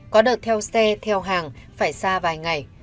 có đợt theo xe theo hàng phải xa vài ngày